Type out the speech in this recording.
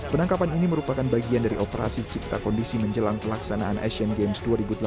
penangkapan ini merupakan bagian dari operasi cipta kondisi menjelang pelaksanaan asian games dua ribu delapan belas